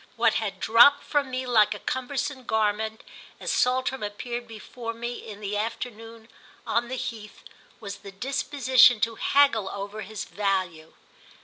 What had dropped from me like a cumbersome garment as Saltram appeared before me in the afternoon on the heath was the disposition to haggle over his value.